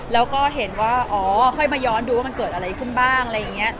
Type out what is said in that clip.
แล้วก็เห็นว่าอ๋อค่อยมาย้อนดูว่ามันเกิดอะไรขึ้นบ้างอะไรอย่างนี้